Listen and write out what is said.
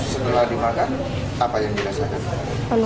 setelah dimakan apa yang dirasakan